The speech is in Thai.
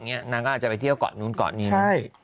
นางก็อาจจะไปเที่ยวเกาะนู้นเกาะนี้